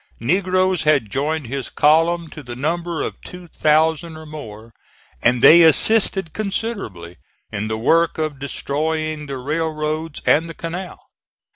Negroes had joined his column to the number of two thousand or more, and they assisted considerably in the work of destroying the railroads and the canal.